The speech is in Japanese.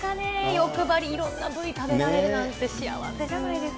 欲張り、いろんなＶ食べられるなんて、幸せじゃないですか。